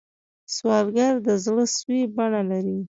سوالګر د زړه سوې بڼه لري